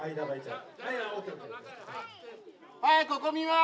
はいここ見ます！